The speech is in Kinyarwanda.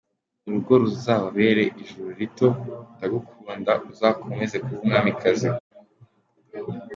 urugo ruzababere ijuru rito…Ndagukunda, uzakomeze kuba umwamikazi.